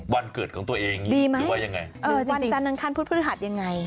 วันเกิดของตัวเองดีไหมหรือว่ายังไงเออวันจันทร์อังคารพุธพฤหัสยังไง